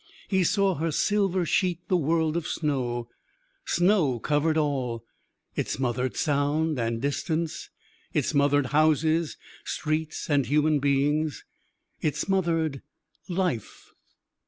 He saw her silver sheet the world of snow. Snow covered all. It smothered sound and distance. It smothered houses, streets, and human beings. It smothered life.